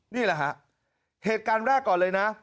นี่แหละฮะเหตุการณ์แรกก่อนเลยนะ